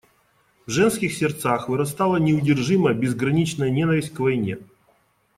В женских сердцах вырастала неудержимая, безграничная ненависть к войне.